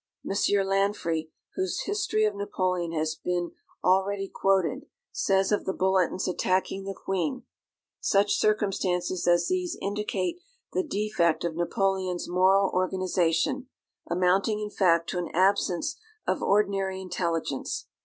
M. Lanfrey, whose history of Napoleon has been already quoted, says of the bulletins attacking the Queen, "Such circumstances as these indicate the defect of Napoleon's moral organisation, amounting, in fact, to an absence of ordinary intelligence.